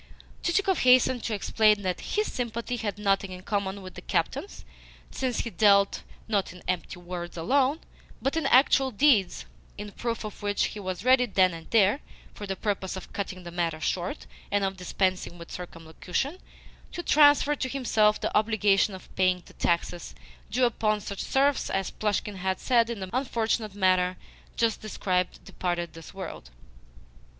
Chichikov hastened to explain that HIS sympathy had nothing in common with the captain's, since he dealt, not in empty words alone, but in actual deeds; in proof of which he was ready then and there (for the purpose of cutting the matter short, and of dispensing with circumlocution) to transfer to himself the obligation of paying the taxes due upon such serfs as Plushkin's as had, in the unfortunate manner just described, departed this world.